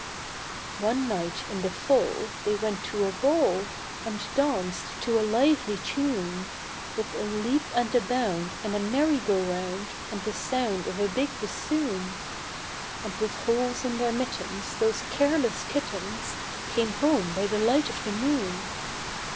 One night in the Fall they went to a ball, And danced to a lively tune, With a leap and a bound and a merry go round, And the sound of a big bassoon ; And with holes in their mittens, those careless kittens Came home by the light of the moon.